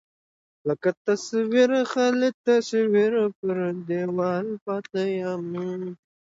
لکه تصوير، خالي تصوير په دېواله پاتې يم